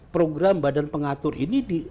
program badan pengatur ini